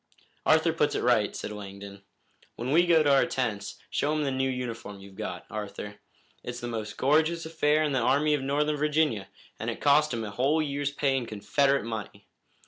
"Arthur puts it right," said Langdon. "When we go to our tents, show him the new uniform you've got, Arthur. It's the most gorgeous affair in the Army of Northern Virginia, and it cost him a whole year's pay in Confederate money.